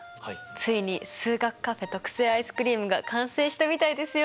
ついに数学カフェ特製アイスクリームが完成したみたいですよ！